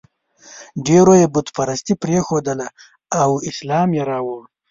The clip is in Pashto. ډېرو یې بت پرستي پرېښودله او اسلام یې راوړ.